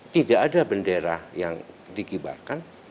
tidak ada bendera yang dikibarkan